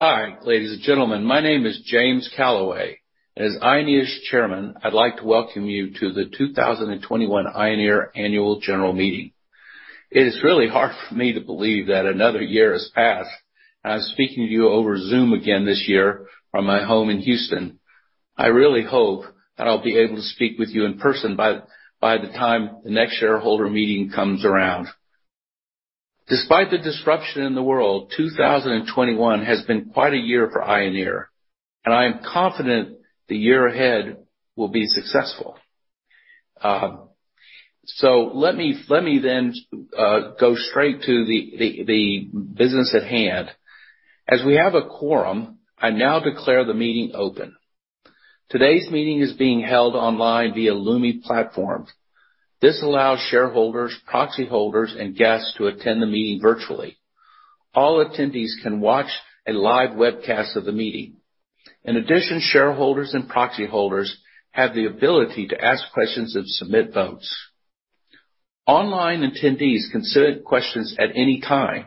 Hi, ladies and gentlemen. My name is James D. Calaway. As Ioneer's Chairman, I'd like to welcome you to the 2021 Ioneer Annual General Meeting. It is really hard for me to believe that another year has passed, and I'm speaking to you over Zoom again this year from my home in Houston. I really hope that I'll be able to speak with you in person by the time the next shareholder meeting comes around. Despite the disruption in the world, 2021 has been quite a year for Ioneer, and I am confident the year ahead will be successful. Let me go straight to the business at hand. As we have a quorum, I now declare the meeting open. Today's meeting is being held online via Lumi platform. This allows shareholders, proxy holders, and guests to attend the meeting virtually. All attendees can watch a live webcast of the meeting. In addition, shareholders and proxy holders have the ability to ask questions and submit votes. Online attendees can submit questions at any time.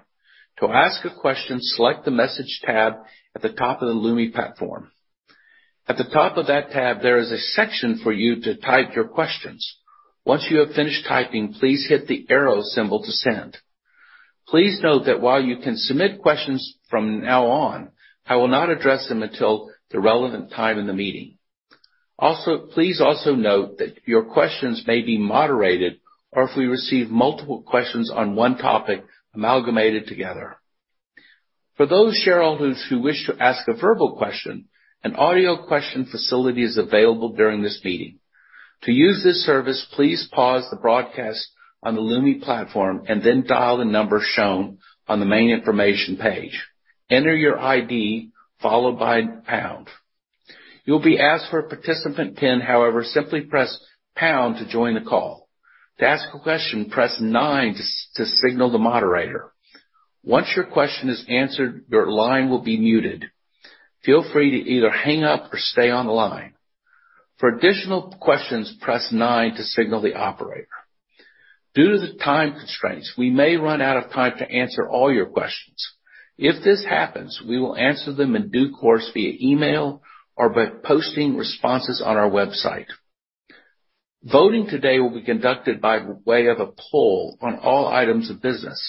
To ask a question, select the Message tab at the top of the Lumi platform. At the top of that tab, there is a section for you to type your questions. Once you have finished typing, please hit the arrow symbol to send. Please note that while you can submit questions from now on, I will not address them until the relevant time in the meeting. Please also note that your questions may be moderated, or if we receive multiple questions on one topic, amalgamated together. For those shareholders who wish to ask a verbal question, an audio question facility is available during this meeting. To use this service, please pause the broadcast on the Lumi platform and then dial the number shown on the main information page. Enter your ID followed by pound. You'll be asked for a participant pin. However, simply press pound to join the call. To ask a question, press nine to signal the moderator. Once your question is answered, your line will be muted. Feel free to either hang up or stay on the line. For additional questions, press nine to signal the operator. Due to the time constraints, we may run out of time to answer all your questions. If this happens, we will answer them in due course via email or by posting responses on our website. Voting today will be conducted by way of a poll on all items of business.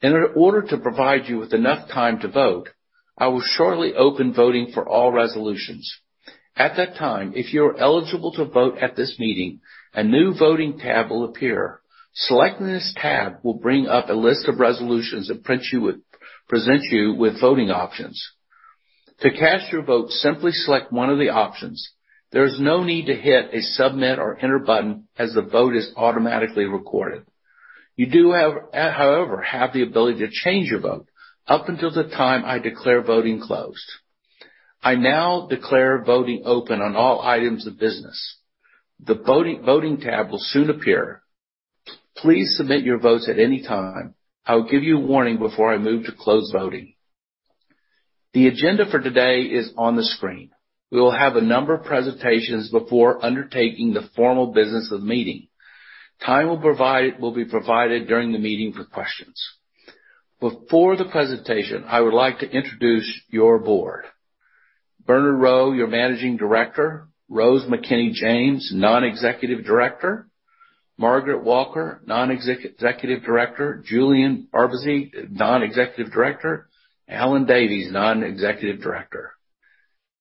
In order to provide you with enough time to vote, I will shortly open voting for all resolutions. At that time, if you're eligible to vote at this meeting, a new voting tab will appear. Selecting this tab will bring up a list of resolutions and present you with voting options. To cast your vote, simply select one of the options. There is no need to hit a Submit or Enter button, as the vote is automatically recorded. You do have, however, the ability to change your vote up until the time I declare voting closed. I now declare voting open on all items of business. The voting tab will soon appear. Please submit your votes at any time. I will give you a warning before I move to close voting. The agenda for today is on the screen. We will have a number of presentations before undertaking the formal business of the meeting. Time will be provided during the meeting for questions. Before the presentation, I would like to introduce your board. Bernard Rowe, your Managing Director. Rose McKinney-James, Non-Executive Director. Margaret Walker, Non-Executive Director. Julian Babarczy, Non-Executive Director. Alan Davies, Non-Executive Director.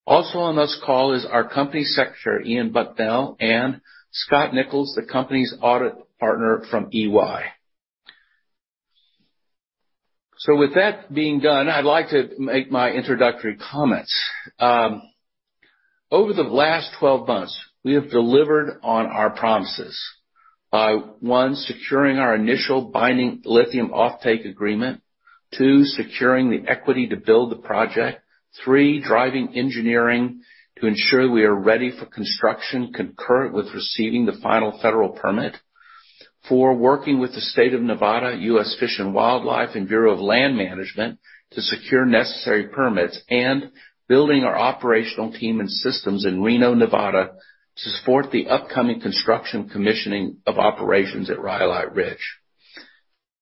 Also on this call is our Company Secretary, Ian Bucknell, and Scott Nichols, the company's Audit Partner from EY. With that being done, I'd like to make my introductory comments. Over the last 12 months, we have delivered on our promises by, one, securing our initial binding lithium offtake agreement. Two, securing the equity to build the project. Three, driving engineering to ensure we are ready for construction concurrent with receiving the final federal permit. Four, working with the state of Nevada, U.S. Fish and Wildlife, and Bureau of Land Management to secure necessary permits. Building our operational team and systems in Reno, Nevada, to support the upcoming construction commissioning of operations at Rhyolite Ridge.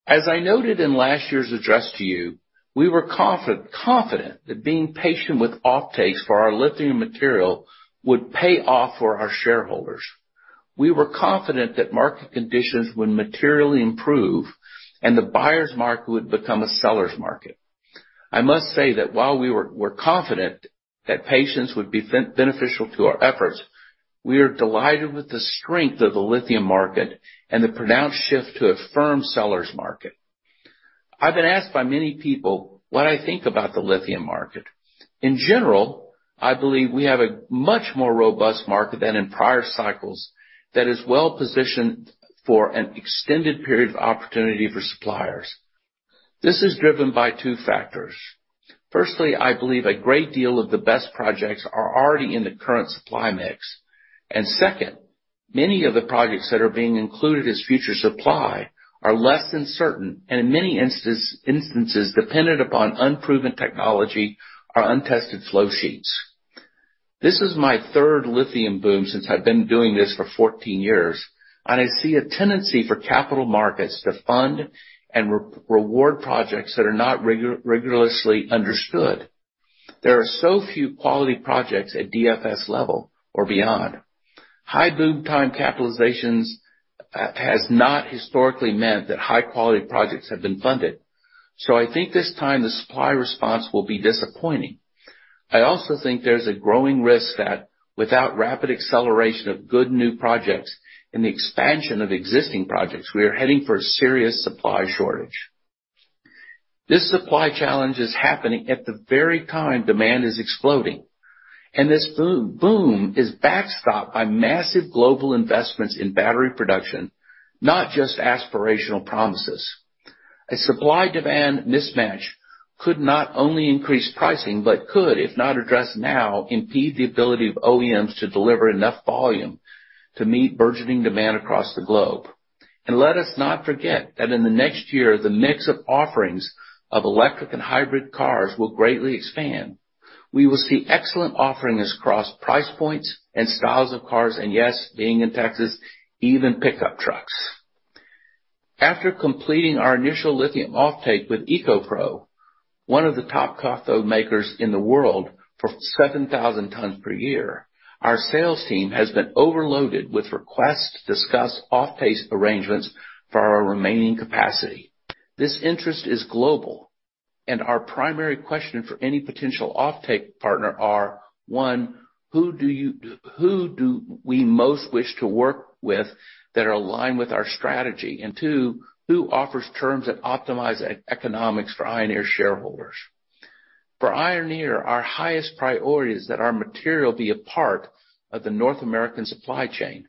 As I noted in last year's address to you, we were confident that being patient with offtakes for our lithium material would pay off for our shareholders. We were confident that market conditions would materially improve and the buyer's market would become a seller's market. I must say that while we were confident that patience would be beneficial to our efforts, we are delighted with the strength of the lithium market and the pronounced shift to a firm seller's market. I've been asked by many people what I think about the lithium market. In general, I believe we have a much more robust market than in prior cycles that is well-positioned for an extended period of opportunity for suppliers. This is driven by two factors. First, I believe a great deal of the best projects are already in the current supply mix. Second, many of the projects that are being included as future supply are less than certain, and in many instances, dependent upon unproven technology or untested flow sheets. This is my third lithium boom since I've been doing this for 14 years, and I see a tendency for capital markets to fund and reward projects that are not rigorously understood. There are so few quality projects at DFS level or beyond. High boom time capitalizations has not historically meant that high-quality projects have been funded. I think this time the supply response will be disappointing. I also think there's a growing risk that without rapid acceleration of good new projects and the expansion of existing projects, we are heading for a serious supply shortage. This supply challenge is happening at the very time demand is exploding, and this boom is backstopped by massive global investments in battery production, not just aspirational promises. A supply-demand mismatch could not only increase pricing, but could, if not addressed now, impede the ability of OEMs to deliver enough volume to meet burgeoning demand across the globe. Let us not forget that in the next year, the mix of offerings of electric and hybrid cars will greatly expand. We will see excellent offerings across price points and styles of cars, and yes, being in Texas, even pickup trucks. After completing our initial lithium offtake with EcoPro, one of the top cathode makers in the world, for 7,000 tons per year, our sales team has been overloaded with requests to discuss offtake arrangements for our remaining capacity. This interest is global, and our primary question for any potential offtake partner are, one, who do we most wish to work with that are aligned with our strategy? Two, who offers terms that optimize economics for Ioneer shareholders? For Ioneer, our highest priority is that our material be a part of the North American supply chain.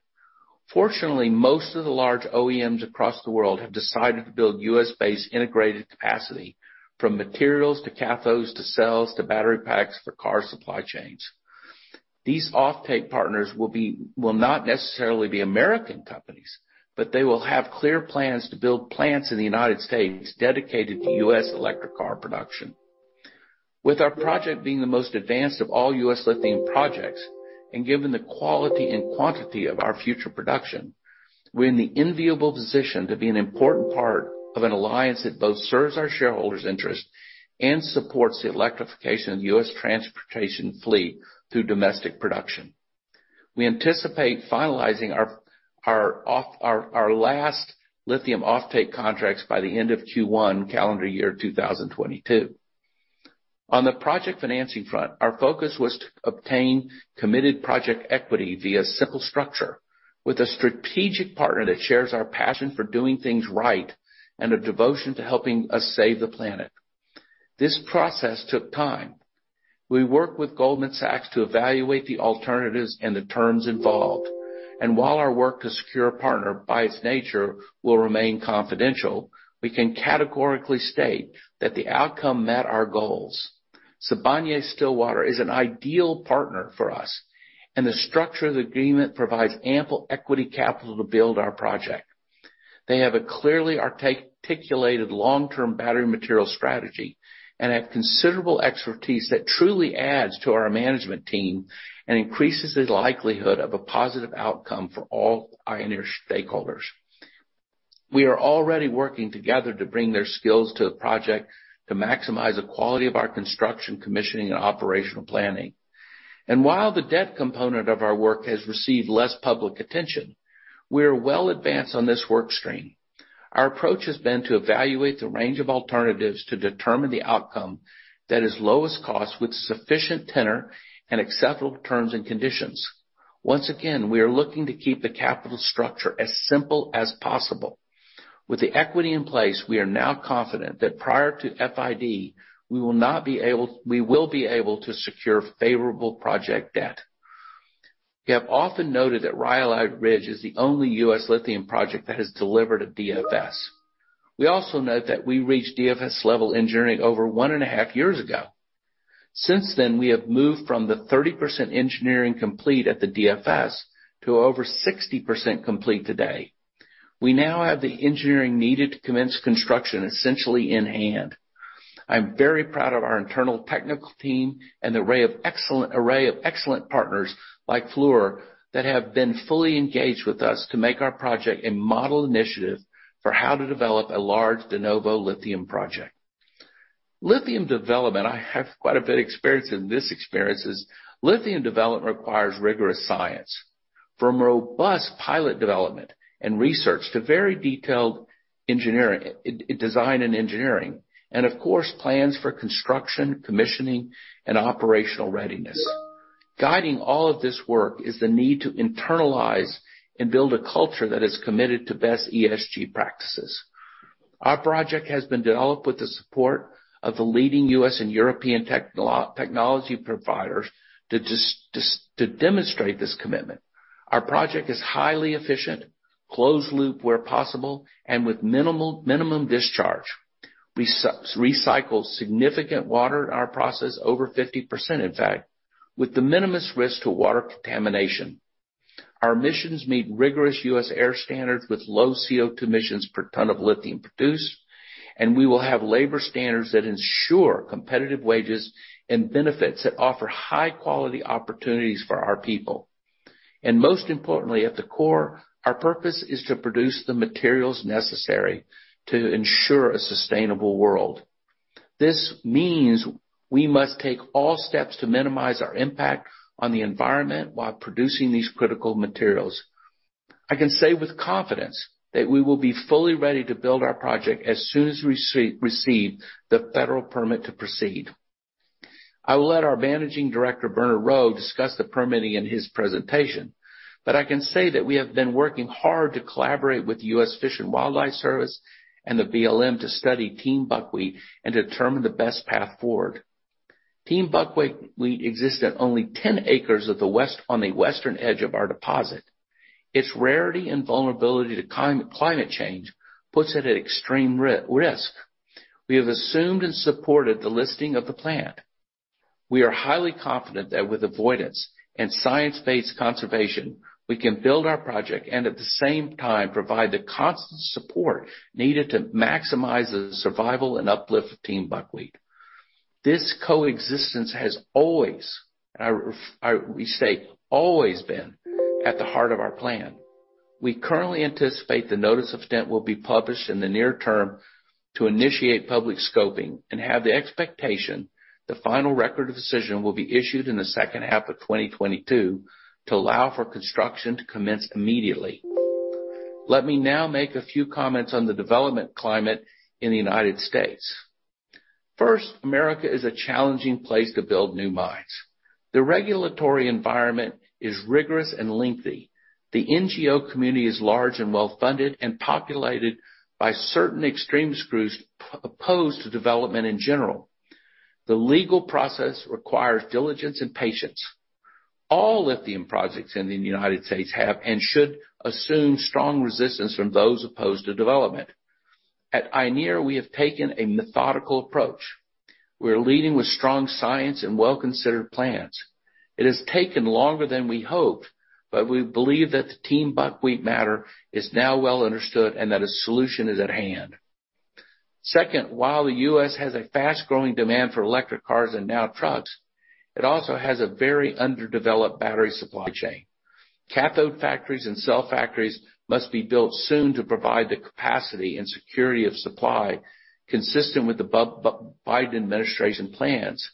Fortunately, most of the large OEMs across the world have decided to build U.S.-based integrated capacity, from materials, to cathodes, to cells, to battery packs for car supply chains. These offtake partners will not necessarily be American companies, but they will have clear plans to build plants in the United States dedicated to U.S. electric car production. With our project being the most advanced of all U.S. lithium projects, and given the quality and quantity of our future production, we're in the enviable position to be an important part of an alliance that both serves our shareholders' interest and supports the electrification of U.S. transportation fleet through domestic production. We anticipate finalizing our last lithium offtake contracts by the end of Q1 calendar year 2022. On the project financing front, our focus was to obtain committed project equity via simple structure with a strategic partner that shares our passion for doing things right and a devotion to helping us save the planet. This process took time. We worked with Goldman Sachs to evaluate the alternatives and the terms involved. While our work to secure a partner by its nature will remain confidential, we can categorically state that the outcome met our goals. Sibanye-Stillwater is an ideal partner for us, and the structure of the agreement provides ample equity capital to build our project. They have a clearly articulated long-term battery material strategy and have considerable expertise that truly adds to our management team and increases the likelihood of a positive outcome for all Ioneer stakeholders. We are already working together to bring their skills to the project to maximize the quality of our construction, commissioning, and operational planning. While the debt component of our work has received less public attention, we are well advanced on this work stream. Our approach has been to evaluate the range of alternatives to determine the outcome that is lowest cost with sufficient tenure and acceptable terms and conditions. Once again, we are looking to keep the capital structure as simple as possible. With the equity in place, we are now confident that prior to FID, we will be able to secure favorable project debt. We have often noted that Rhyolite Ridge is the only U.S. lithium project that has delivered a DFS. We also note that we reached DFS-level engineering over 1.5 years ago. Since then, we have moved from the 30% engineering complete at the DFS to over 60% complete today. We now have the engineering needed to commence construction essentially in hand. I'm very proud of our internal technical team and array of excellent partners like Fluor that have been fully engaged with us to make our project a model initiative for how to develop a large de novo lithium project. Lithium development. I have quite a bit of experience in this. Experience is, lithium development requires rigorous science, from robust pilot development and research to very detailed design and engineering, and of course, plans for construction, commissioning, and operational readiness. Guiding all of this work is the need to internalize and build a culture that is committed to best ESG practices. Our project has been developed with the support of the leading U.S. and European technology providers to demonstrate this commitment. Our project is highly efficient, closed loop where possible, and with minimum discharge. We recycle significant water in our process, over 50%, in fact, with the minimal risk to water contamination. Our emissions meet rigorous U.S. air standards with low CO2 emissions per ton of lithium produced, and we will have labor standards that ensure competitive wages and benefits that offer high-quality opportunities for our people. Most importantly, at the core, our purpose is to produce the materials necessary to ensure a sustainable world. This means we must take all steps to minimize our impact on the environment while producing these critical materials. I can say with confidence that we will be fully ready to build our project as soon as we receive the federal permit to proceed. I will let our Managing Director, Bernard Rowe, discuss the permitting in his presentation. I can say that we have been working hard to collaborate with the U.S. Fish and Wildlife Service and the BLM to study Tiehm's buckwheat and determine the best path forward. Tiehm's buckwheat exists at only 10 acres on the western edge of our deposit. Its rarity and vulnerability to climate change puts it at extreme risk. We have assumed and supported the listing of the plant. We are highly confident that with avoidance and science-based conservation, we can build our project and at the same time, provide the constant support needed to maximize the survival and uplift of Tiehm's buckwheat. This coexistence has always been at the heart of our plan. We currently anticipate the notice of intent will be published in the near term to initiate public scoping and have the expectation the final record of decision will be issued in the second half of 2022 to allow for construction to commence immediately. Let me now make a few comments on the development climate in the United States. First, America is a challenging place to build new mines. The regulatory environment is rigorous and lengthy. The NGO community is large and well-funded and populated by certain extremist groups opposed to development in general. The legal process requires diligence and patience. All lithium projects in the United States have and should assume strong resistance from those opposed to development. At Ioneer, we have taken a methodical approach. We're leading with strong science and well-considered plans. It has taken longer than we hoped, but we believe that the Tiehm's buckwheat matter is now well understood and that a solution is at hand. Second, while the U.S. has a fast-growing demand for electric cars and now trucks, it also has a very underdeveloped battery supply chain. Cathode factories and cell factories must be built soon to provide the capacity and security of supply consistent with the Biden administration plans.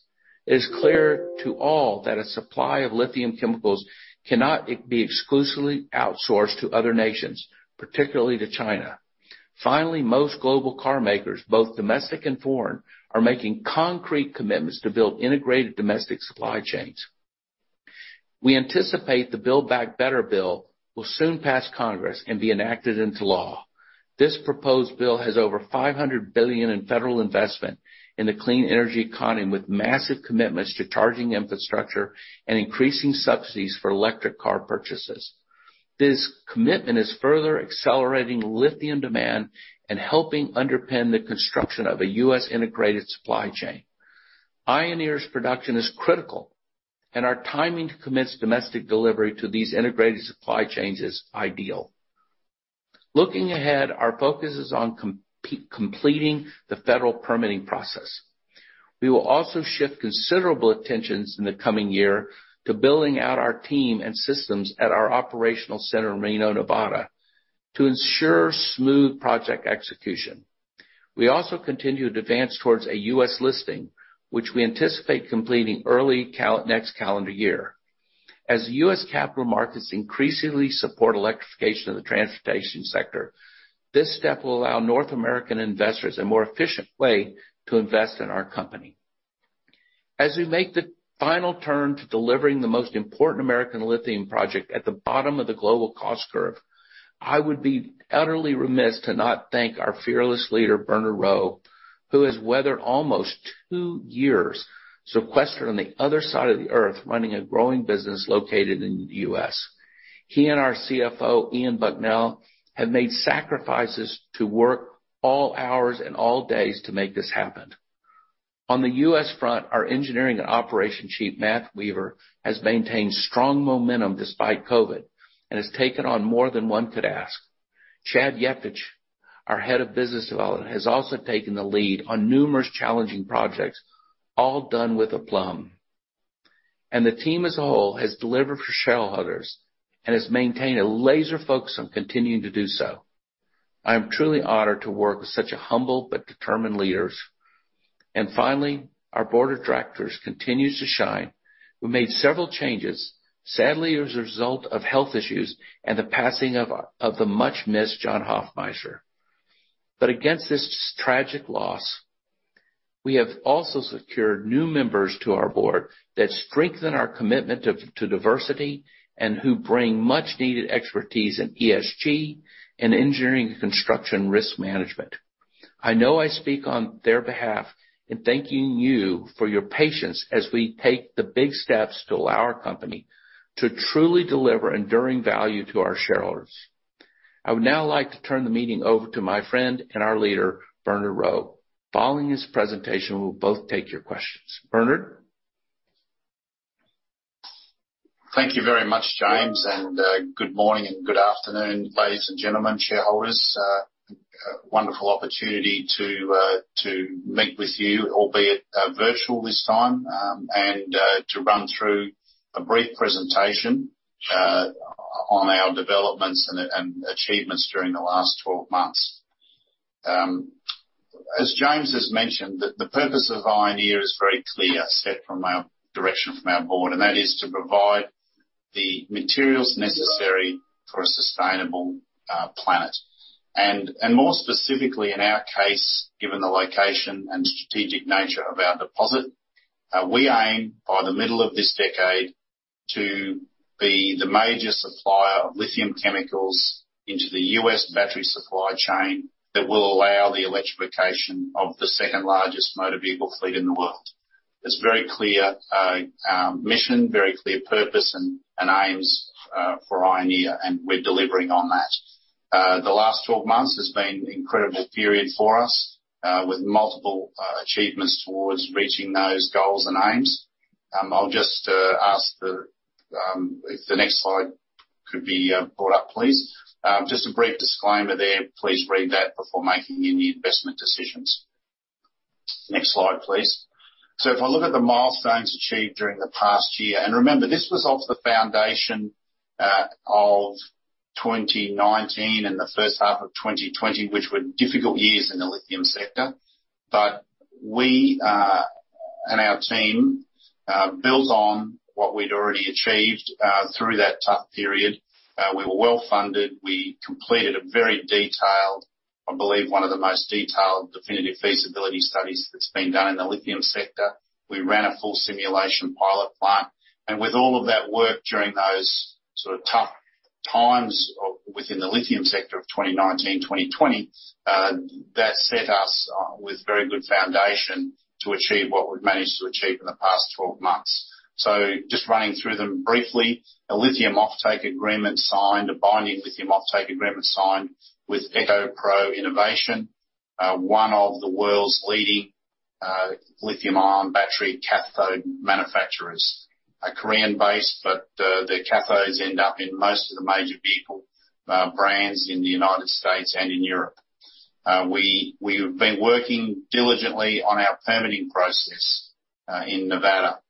It is clear to all that a supply of lithium chemicals cannot be exclusively outsourced to other nations, particularly to China. Finally, most global car makers, both domestic and foreign, are making concrete commitments to build integrated domestic supply chains. We anticipate the Build Back Better bill will soon pass Congress and be enacted into law. This proposed bill has over $500 billion in federal investment in the clean energy economy, with massive commitments to charging infrastructure and increasing subsidies for electric car purchases. This commitment is further accelerating lithium demand and helping underpin the construction of a U.S. integrated supply chain. Ioneer's production is critical, and our timing to commence domestic delivery to these integrated supply chains is ideal. Looking ahead, our focus is on completing the federal permitting process. We will also shift considerable attention in the coming year to building out our team and systems at our operational center in Reno, Nevada, to ensure smooth project execution. We also continue to advance towards a U.S. listing, which we anticipate completing early next calendar year. As U.S. capital markets increasingly support electrification of the transportation sector, this step will allow North American investors a more efficient way to invest in our company. As we make the final turn to delivering the most important American lithium project at the bottom of the global cost curve, I would be utterly remiss to not thank our fearless leader, Bernard Rowe, who has weathered almost two years sequestered on the other side of the Earth, running a growing business located in the U.S. He and our CFO, Ian Bucknell, have made sacrifices to work all hours and all days to make this happen. On the U.S. front, our engineering and operations chief, Matt Weaver, has maintained strong momentum despite COVID and has taken on more than one could ask. Chad Yeftich, our Head of Business Development, has also taken the lead on numerous challenging projects, all done with aplomb. The team as a whole has delivered for shareholders and has maintained a laser focus on continuing to do so. I am truly honored to work with such humble but determined leaders. Finally, our board of directors continues to shine. We made several changes, sadly, as a result of health issues and the passing of the much-missed John Hofmeister. Against this tragic loss, we have also secured new members to our board that strengthen our commitment to diversity and who bring much-needed expertise in ESG and engineering construction risk management. I know I speak on their behalf in thanking you for your patience as we take the big steps to allow our company to truly deliver enduring value to our shareholders. I would now like to turn the meeting over to my friend and our leader, Bernard Rowe. Following his presentation, we'll both take your questions. Bernard? Thank you very much, James, and good morning and good afternoon, ladies and gentlemen, shareholders. Wonderful opportunity to meet with you, albeit virtual this time, and to run through a brief presentation on our developments and achievements during the last 12 months. As James has mentioned, the purpose of Ioneer is very clear, set from our direction from our board, and that is to provide the materials necessary for a sustainable planet. More specifically in our case, given the location and strategic nature of our deposit, we aim by the middle of this decade to be the major supplier of lithium chemicals into the U.S. battery supply chain that will allow the electrification of the second largest motor vehicle fleet in the world. It's a very clear mission, very clear purpose and aims for Ioneer, and we're delivering on that. The last 12 months has been an incredible period for us, with multiple achievements towards reaching those goals and aims. I'll just ask if the next slide could be brought up please. Just a brief disclaimer there. Please read that before making any investment decisions. Next slide, please. If I look at the milestones achieved during the past year, and remember, this was off the foundation of 2019 and the first half of 2020, which were difficult years in the lithium sector. We and our team built on what we'd already achieved through that tough period. We were well-funded. We completed a very detailed, I believe one of the most detailed definitive feasibility studies that's been done in the lithium sector. We ran a full simulation pilot plant, and with all of that work during those sort of tough times of, within the lithium sector of 2019, 2020, that set us with very good foundation to achieve what we've managed to achieve in the past 12 months. Just running through them briefly, a lithium offtake agreement signed, a binding lithium offtake agreement signed with EcoPro Innovation, one of the world's leading, lithium ion battery cathode manufacturers. A Korean-based, but, the cathodes end up in most of the major vehicle brands in the United States and in Europe. We have been working diligently on our permitting process in Nevada,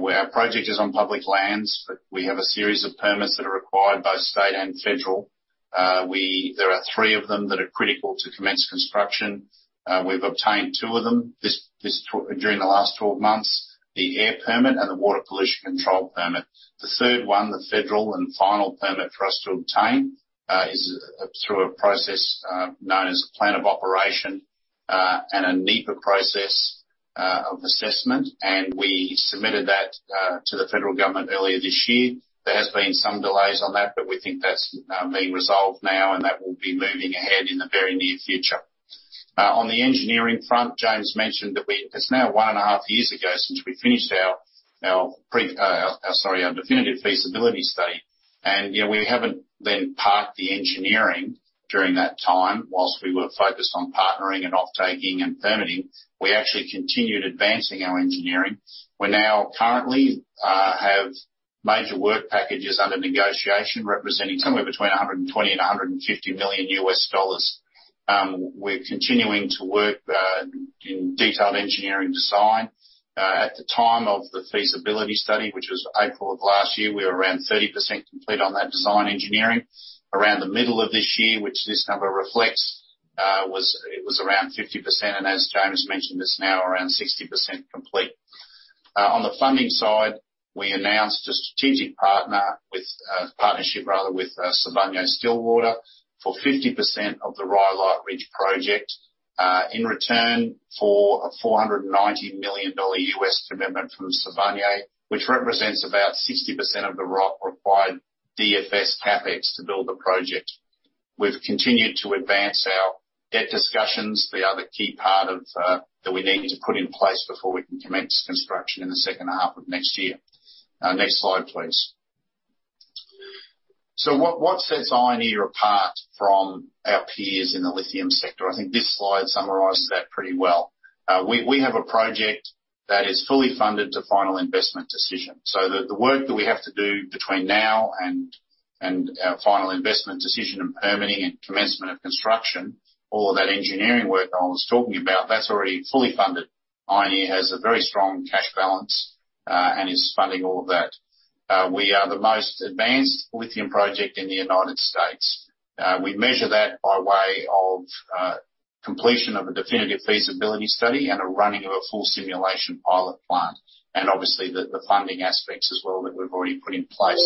where our project is on public lands, but we have a series of permits that are required, both state and federal. There are three of them that are critical to commence construction. We've obtained two of them during the last 12 months, the air permit and the water pollution control permit. The third one, the federal and final permit for us to obtain, is through a process known as Plan of Operations, and a NEPA process, of assessment. We submitted that to the federal government earlier this year. There has been some delays on that, but we think that's being resolved now, and that will be moving ahead in the very near future. On the engineering front, James mentioned that it's now 1.5 years ago since we finished our definitive feasibility study. You know, we haven't then parked the engineering during that time. While we were focused on partnering and offtaking and permitting, we actually continued advancing our engineering. We now currently have major work packages under negotiation, representing somewhere between $120 million-$150 million. We're continuing to work in detailed engineering design. At the time of the feasibility study, which was April of last year, we were around 30% complete on that design engineering. Around the middle of this year, which this number reflects, it was around 50%, and as James mentioned, it's now around 60% complete. On the funding side, we announced a strategic partnership with Sibanye-Stillwater for 50% of the Rhyolite Ridge project in return for a $490 million U.S. commitment from Sibanye-Stillwater, which represents about 60% of the required DFS CapEx to build the project. We've continued to advance our debt discussions. They are the key part of that we need to put in place before we can commence construction in the second half of next year. Next slide, please. What sets Ioneer apart from our peers in the lithium sector? I think this slide summarizes that pretty well. We have a project that is fully funded to final investment decision, so that the work that we have to do between now and our final investment decision and permitting and commencement of construction, all of that engineering work I was talking about, that's already fully funded. Ioneer has a very strong cash balance, and is funding all of that. We are the most advanced lithium project in the United States. We measure that by way of completion of a definitive feasibility study and a running of a full simulation pilot plant. Obviously the funding aspects as well that we've already put in place.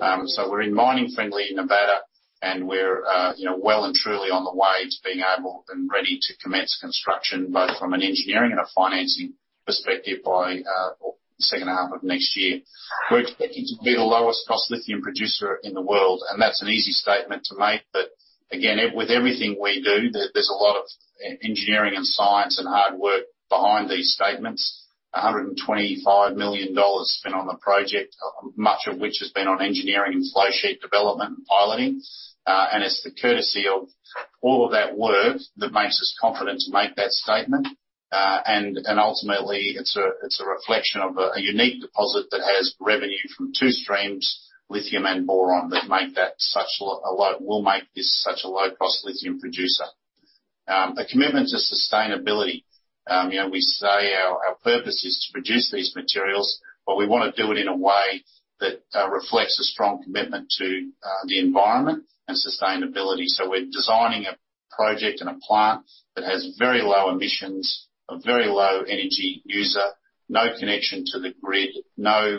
We're in mining-friendly Nevada, and we're, you know, well and truly on the way to being able and ready to commence construction, both from an engineering and a financing perspective by second half of next year. We're expecting to be the lowest cost lithium producer in the world, and that's an easy statement to make. Again, with everything we do, there's a lot of engineering and science and hard work behind these statements. $125 million spent on the project, much of which has been on engineering and flow sheet development and piloting. And it's the courtesy of all of that work that makes us confident to make that statement. Ultimately, it's a reflection of a unique deposit that has revenue from two streams, lithium and boron, that will make this such a low-cost lithium producer. A commitment to sustainability. You know, we say our purpose is to produce these materials, but we wanna do it in a way that reflects a strong commitment to the environment and sustainability. We're designing a project and a plant that has very low emissions, a very low energy user, no connection to the grid, no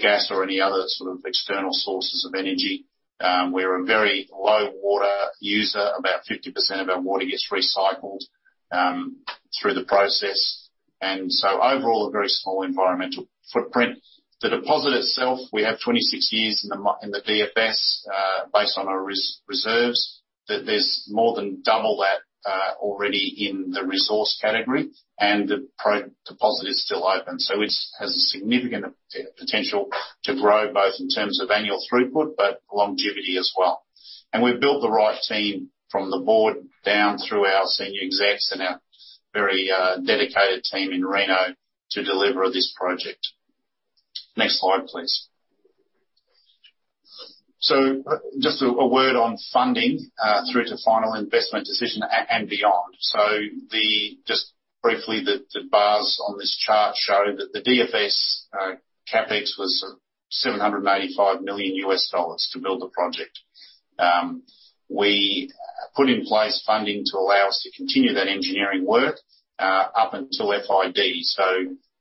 gas or any other sort of external sources of energy. We're a very low water user. About 50% of our water gets recycled through the process. Overall, a very small environmental footprint. The deposit itself, we have 26 years in the DFS, based on our reserves. That there's more than double that, already in the resource category, and the deposit is still open. It has a significant potential to grow, both in terms of annual throughput, but longevity as well. We've built the right team from the board down through our senior execs and our very dedicated team in Reno to deliver this project. Next slide, please. Just a word on funding through to final investment decision and beyond. Just briefly, the bars on this chart show that the DFS CapEx was $785 million to build the project. We put in place funding to allow us to continue that engineering work up until FID.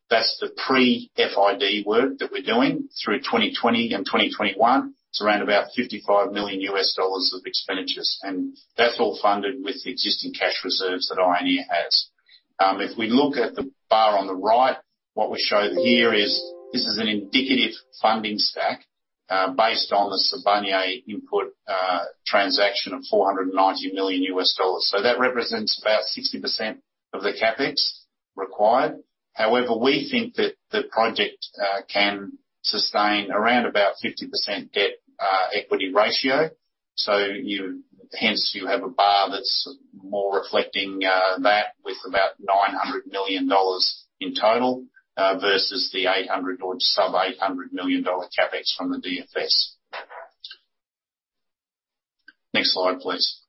That's the pre-FID work that we're doing through 2020 and 2021. It's around about $55 million of expenditures, and that's all funded with existing cash reserves that Ioneer has. If we look at the bar on the right, what we show here is this is an indicative funding stack, based on the Sibanye-Stillwater input, transaction of $490 million. That represents about 60% of the CapEx required. However, we think that the project, can sustain around about 50% debt, equity ratio. Hence, you have a bar that's more reflecting, that with about $900 million in total, versus the $800 million or sub-$800 million CapEx from the DFS. Next slide, please.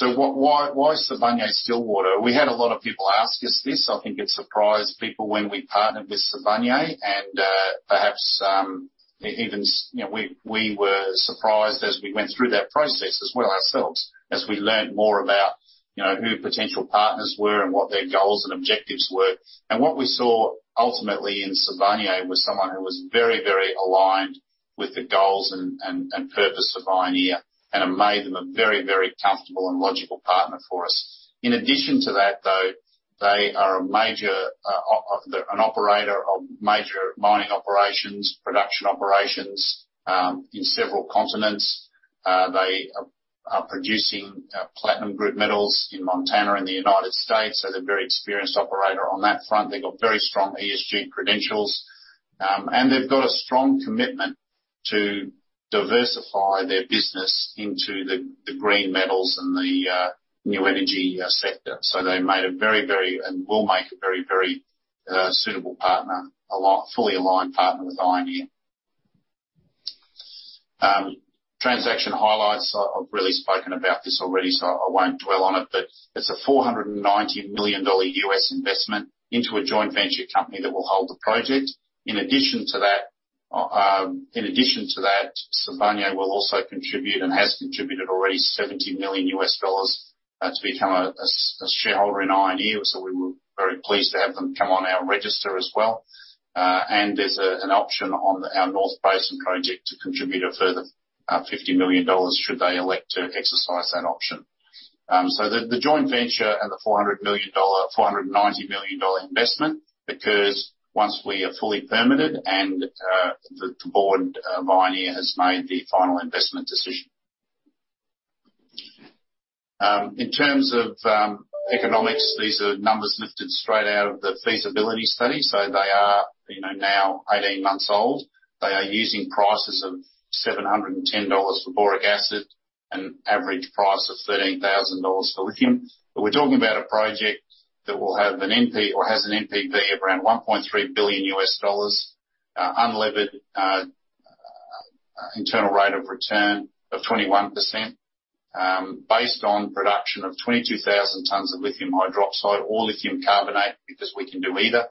Why Sibanye-Stillwater? We had a lot of people ask us this. I think it surprised people when we partnered with Sibanye and perhaps you know we were surprised as we went through that process as well ourselves as we learned more about you know who potential partners were and what their goals and objectives were. What we saw ultimately in Sibanye was someone who was very aligned with the goals and purpose of Ioneer and it made them a very comfortable and logical partner for us. In addition to that though they are a major operator of major mining operations production operations in several continents. They are producing platinum group metals in Montana in the United States so they're a very experienced operator on that front. They've got very strong ESG credentials, and they've got a strong commitment to diversify their business into the green metals and the new energy sector. They made and will make a very suitable, fully aligned partner with Ioneer. Transaction highlights. I've really spoken about this already, so I won't dwell on it. It's a $490 million investment into a joint venture company that will hold the project. In addition to that, Sibanye will also contribute and has contributed already $70 million to become a shareholder in Ioneer. We were very pleased to have them come on our register as well. There's an option on our North Basin project to contribute a further $50 million should they elect to exercise that option. The joint venture and the $400 million, $490 million investment occurs once we are fully permitted and the board, Ioneer has made the final investment decision. In terms of economics, these are numbers lifted straight out of the feasibility study, so they are, you know, now 18 months old. They are using prices of $710 for boric acid, an average price of $13,000 for lithium. We're talking about a project that will have an NPV or has an NPV of around $1.3 billion, unlevered, internal rate of return of 21%, based on production of 22,000 tons of lithium hydroxide or lithium carbonate, because we can do either,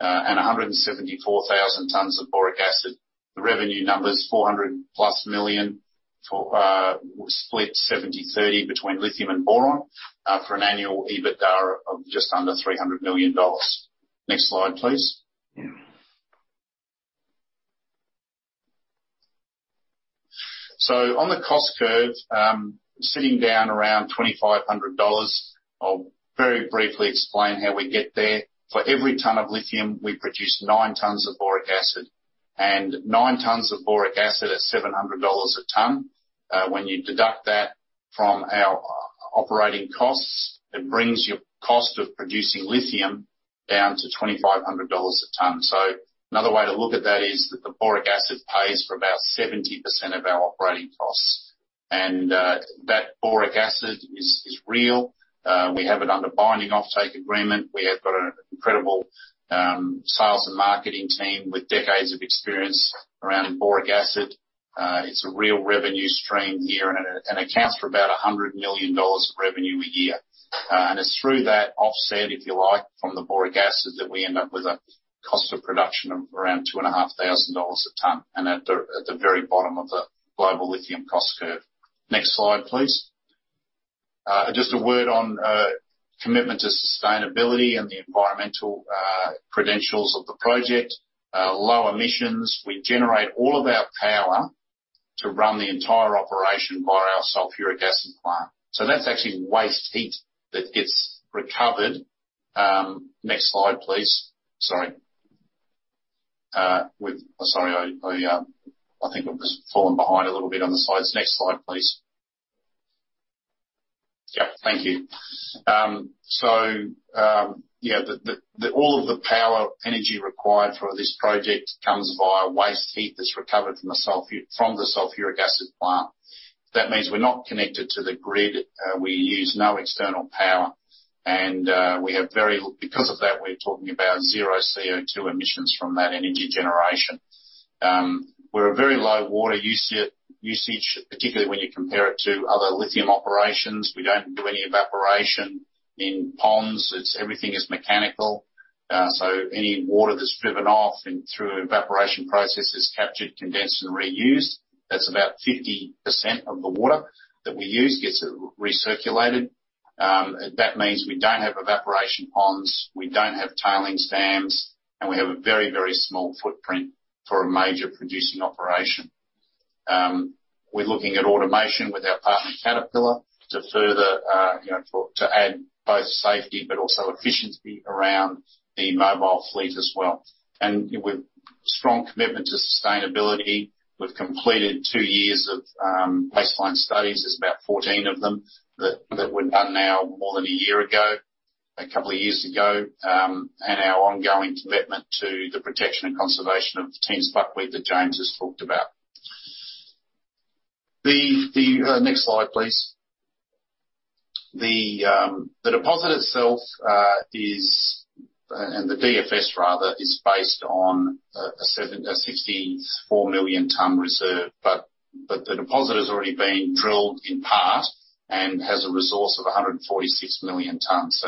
and 174,000 tons of boric acid. The revenue number's $400+ million for, split 70/30 between lithium and boron, for an annual EBITDA of just under $300 million. Next slide, please. On the cost curve, sitting down around $2,500. I'll very briefly explain how we get there. For every ton of lithium, we produce 9 tons of boric acid. And 9 tons of boric acid at $700 a ton. When you deduct that from our operating costs, it brings your cost of producing lithium down to $2,500 a ton. Another way to look at that is that the boric acid pays for about 70% of our operating costs. That boric acid is real. We have it under binding offtake agreement. We have got an incredible sales and marketing team with decades of experience around boric acid. It's a real revenue stream here and accounts for about $100 million of revenue a year. It's through that offset, if you like, from the boric acid that we end up with a cost of production of around $2,500 a ton, and at the very bottom of the global lithium cost curve. Next slide, please. Just a word on commitment to sustainability and the environmental credentials of the project. Low emissions. We generate all of our power to run the entire operation by our sulfuric acid plant. So that's actually waste heat that gets recovered. Next slide, please. Sorry. Sorry, I think I'm just falling behind a little bit on the slides. Next slide, please. Yep, thank you. Yeah, all of the power energy required for this project comes via waste heat that's recovered from the sulfuric acid plant. That means we're not connected to the grid. We use no external power, and because of that, we're talking about zero CO2 emissions from that energy generation. We're a very low water usage, particularly when you compare it to other lithium operations. We don't do any evaporation in ponds. It's everything is mechanical. So any water that's driven off in through evaporation process is captured, condensed and reused. That's about 50% of the water that we use gets recirculated. That means we don't have evaporation ponds, we don't have tailing stands, and we have a very, very small footprint for a major producing operation. We're looking at automation with our partner Caterpillar to further to add both safety but also efficiency around the mobile fleet as well. With strong commitment to sustainability, we've completed two years of baseline studies. There's about 14 of them that were done now more than a year ago, a couple of years ago. Our ongoing commitment to the protection and conservation of the Tiehm's buckwheat that James has talked about. The next slide, please. The deposit itself, and the DFS, rather, is based on a 64 million ton reserve. The deposit has already been drilled in part and has a resource of 146 million tons.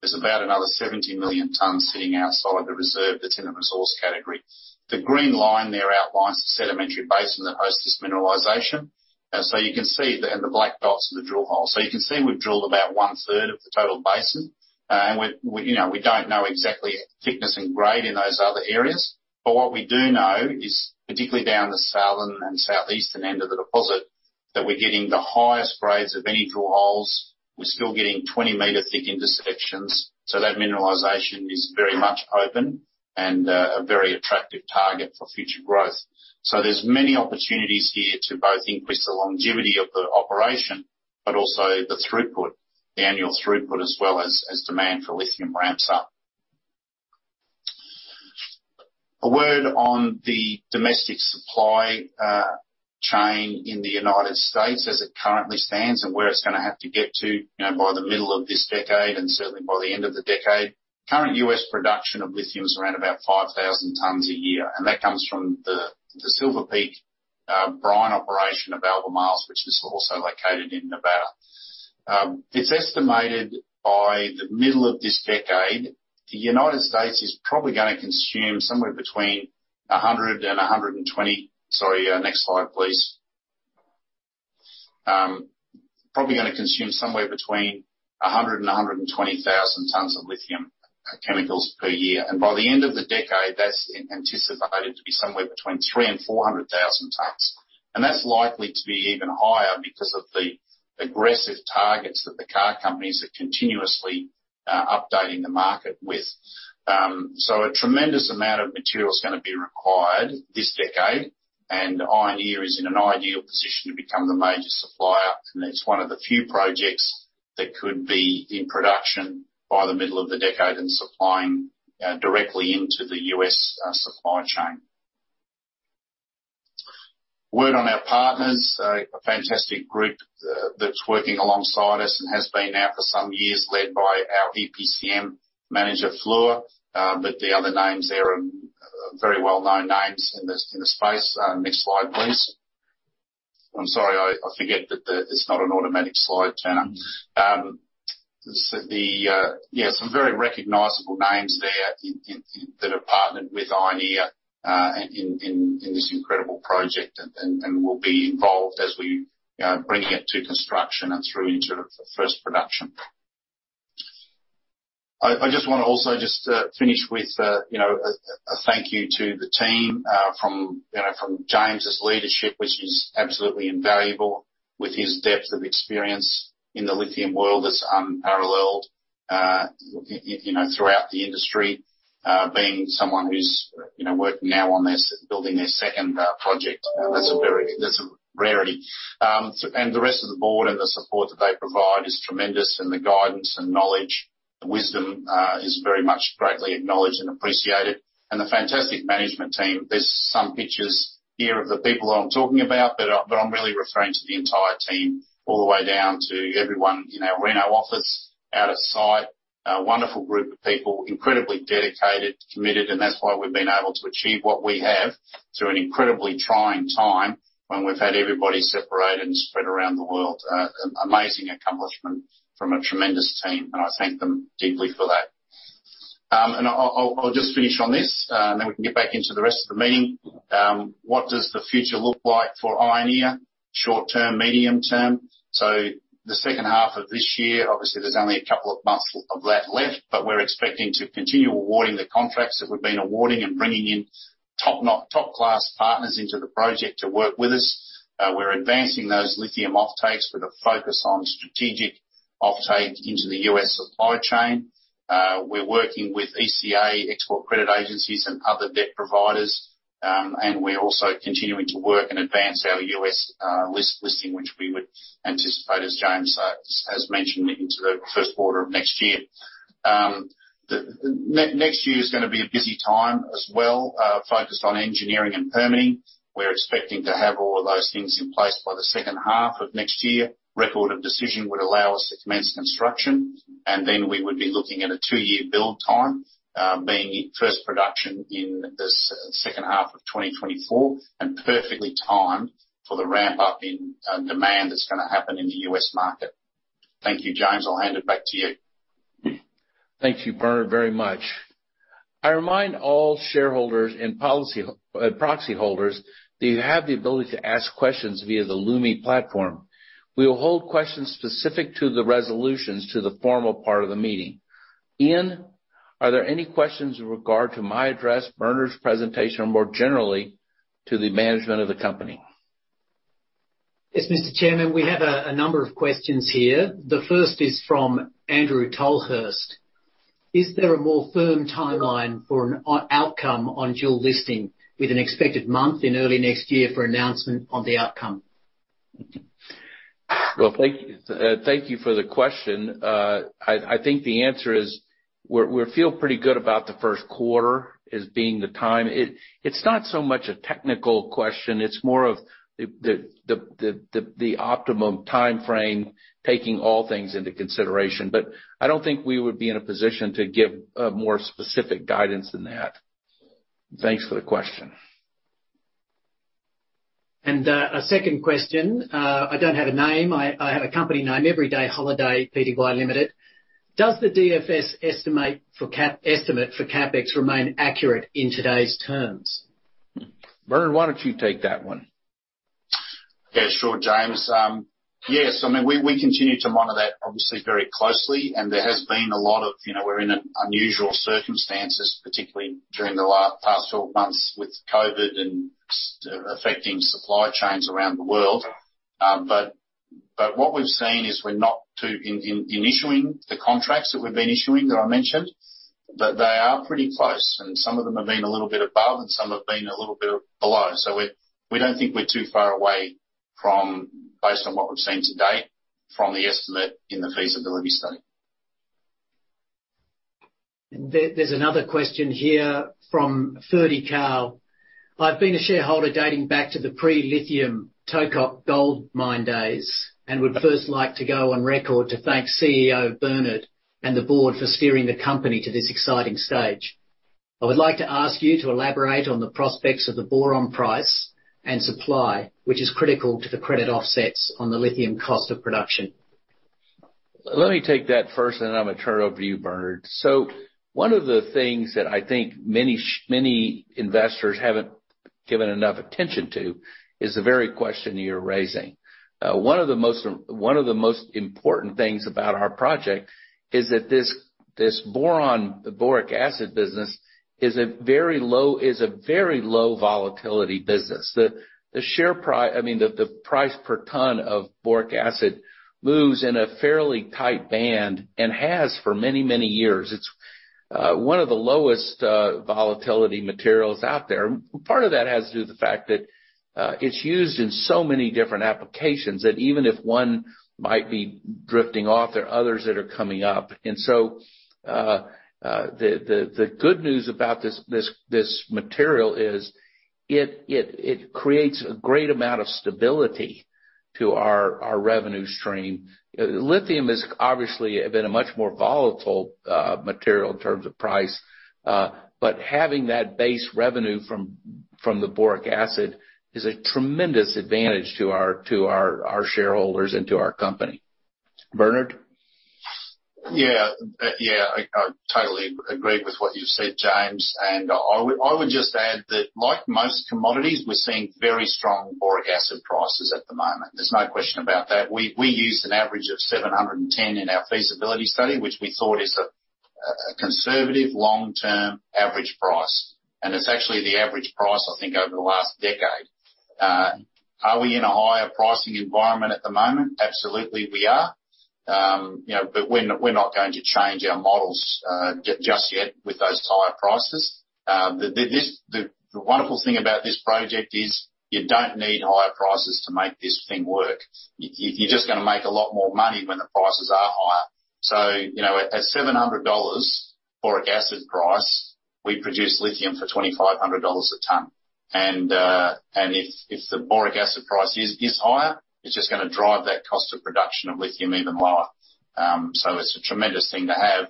There's about another 70 million tons sitting outside the reserve that's in the resource category. The green line there outlines the sedimentary basin that hosts this mineralization. You can see, and the black dots are the drill holes. You can see we've drilled about one-third of the total basin. We, you know, we don't know exactly thickness and grade in those other areas. What we do know is, particularly down the southern and southeastern end of the deposit, that we're getting the highest grades of any drill holes. We're still getting 20-meter thick intersections. That mineralization is very much open and a very attractive target for future growth. There's many opportunities here to both increase the longevity of the operation, but also the throughput, the annual throughput, as well as demand for lithium ramps up. A word on the domestic supply chain in the United States as it currently stands and where it's gonna have to get to, you know, by the middle of this decade and certainly by the end of the decade. Current U.S. production of lithium is around about 5,000 tons a year, and that comes from the Silver Peak brine operation of Albemarle, which is also located in Nevada. It's estimated by the middle of this decade, the United States is probably gonna consume somewhere between 100 and 120... Sorry, next slide, please. Probably gonna consume somewhere between 100 and 120,000 tons of lithium chemicals per year. By the end of the decade, that's anticipated to be somewhere between 300,000 and 400,000 tons. That's likely to be even higher because of the aggressive targets that the car companies are continuously updating the market with. A tremendous amount of material is gonna be required this decade, and Ioneer is in an ideal position to become the major supplier. It's one of the few projects that could be in production by the middle of the decade and supplying directly into the U.S. supply chain. Our partners, a fantastic group, that's working alongside us and has been for some years now led by our EPCM manager, Fluor. The other names there are very well-known names in the space. Next slide, please. I'm sorry, I forget that it's not an automatic slide turner. Some very recognizable names there in that have partnered with Ioneer in this incredible project and will be involved as we bring it to construction and through into the first production. I just wanna also just finish with you know a thank you to the team from you know from James' leadership, which is absolutely invaluable with his depth of experience in the lithium world that's unparalleled. You know throughout the industry being someone who's you know working now on building their second project. That's a rarity. The rest of the board and the support that they provide is tremendous, and the guidance and knowledge and wisdom is very much greatly acknowledged and appreciated. The fantastic management team. There's some pictures here of the people that I'm talking about, but I'm really referring to the entire team all the way down to everyone in our Reno office, out at site. A wonderful group of people, incredibly dedicated, committed, and that's why we've been able to achieve what we have through an incredibly trying time when we've had everybody separated and spread around the world. An amazing accomplishment from a tremendous team, and I thank them deeply for that. I'll just finish on this, and then we can get back into the rest of the meeting. What does the future look like for Ioneer short-term, medium-term? The second half of this year, obviously there's only a couple of months of that left, but we're expecting to continue awarding the contracts that we've been awarding and bringing in top-notch, top-class partners into the project to work with us. We're advancing those lithium offtakes with a focus on strategic offtake into the U.S. supply chain. We're working with ECA, export credit agencies, and other debt providers. We're also continuing to work and advance our U.S. listing, which we would anticipate, as James has mentioned, into the first quarter of next year. Next year is gonna be a busy time as well, focused on engineering and permitting. We're expecting to have all of those things in place by the second half of next year. Record of decision would allow us to commence construction, and then we would be looking at a two-year build time, being first production in the second half of 2024, and perfectly timed for the ramp up in demand that's gonna happen in the U.S. market. Thank you, James. I'll hand it back to you. Thank you, Bernard, very much. I remind all shareholders and proxy holders that you have the ability to ask questions via the Lumi platform. We will hold questions specific to the resolutions to the formal part of the meeting. Ian, are there any questions with regard to my address, Bernard's presentation, or more generally to the management of the company? Yes, Mr. Chairman, we have a number of questions here. The first is from Andrew Tolhurst. Is there a more firm timeline for an outcome on dual listing with an expected month in early next year for announcement on the outcome? Well, thank you for the question. I think the answer is we feel pretty good about the first quarter as being the time. It's not so much a technical question, it's more of the optimum timeframe, taking all things into consideration. I don't think we would be in a position to give a more specific guidance than that. Thanks for the question. A second question. I don't have a name. I have a company name, Everyday Holiday Pty Limited. Does the DFS estimate for CapEx remain accurate in today's terms? Bernard, why don't you take that one? Yeah, sure, James. Yes, I mean, we continue to monitor that obviously very closely, and there has been a lot of, you know, we're in an unusual circumstances, particularly during the past 12 months with COVID and severely affecting supply chains around the world. But what we've seen is in issuing the contracts that we've been issuing that I mentioned, that they are pretty close and some of them have been a little bit above and some have been a little bit below. We don't think we're too far away from, based on what we've seen to date, from the estimate in the feasibility study. There, there's another question here from Ferdi Carl. I've been a shareholder dating back to the pre-lithium Tonopah gold mine days and would first like to go on record to thank CEO Bernard Rowe and the board for steering the company to this exciting stage. I would like to ask you to elaborate on the prospects of the boron price and supply, which is critical to the credit offsets on the lithium cost of production. Let me take that first, and then I'm gonna turn it over to you, Bernard. One of the things that I think many investors haven't given enough attention to is the very question you're raising. One of the most important things about our project is that this boron, the boric acid business is a very low volatility business. The price per ton of boric acid moves in a fairly tight band and has for many years. It's one of the lowest volatility materials out there. Part of that has to do with the fact that it's used in so many different applications, that even if one might be drifting off, there are others that are coming up. The good news about this material is it creates a great amount of stability to our revenue stream. Lithium is obviously a bit more volatile material in terms of price. Having that base revenue from the boric acid is a tremendous advantage to our shareholders and to our company. Bernard? Yeah, I totally agree with what you've said, James. I would just add that like most commodities, we're seeing very strong boric acid prices at the moment. There's no question about that. We used an average of $710 in our feasibility study, which we thought is a conservative long-term average price, and it's actually the average price, I think, over the last decade. Are we in a higher pricing environment at the moment? Absolutely, we are. You know, we're not going to change our models just yet with those higher prices. The wonderful thing about this project is you don't need higher prices to make this thing work. You're just gonna make a lot more money when the prices are higher. You know, at $700 boric acid price, we produce lithium for $2,500 a ton. If the boric acid price is higher, it's just gonna drive that cost of production of lithium even lower. It's a tremendous thing to have.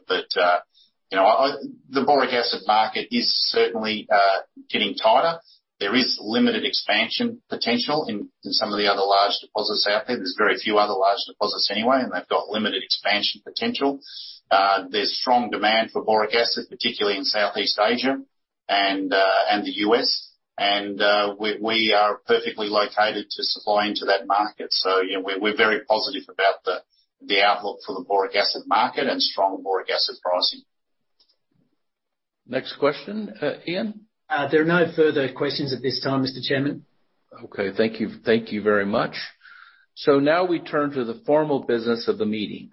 You know, the boric acid market is certainly getting tighter. There is limited expansion potential in some of the other large deposits out there. There's very few other large deposits anyway, and they've got limited expansion potential. There's strong demand for boric acid, particularly in Southeast Asia and the U.S., and we are perfectly located to supply into that market. You know, we're very positive about the outlook for the boric acid market and strong boric acid pricing. Next question, Ian. There are no further questions at this time, Mr. Chairman. Okay. Thank you. Thank you very much. Now we turn to the formal business of the meeting.